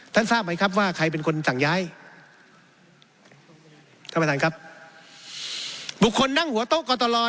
ทราบไหมครับว่าใครเป็นคนสั่งย้ายท่านประธานครับบุคคลนั่งหัวโต๊ะกอตรอ